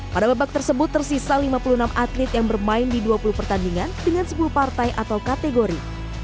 pada babak tersebut tersisa lima puluh enam atlet yang bermain di dua puluh pertandingan dengan sepuluh partai atau kategori